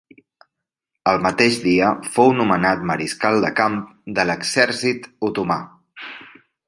El mateix dia fou nomenat mariscal de camp de l'exèrcit otomà.